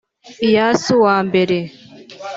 Iyasu wa mbere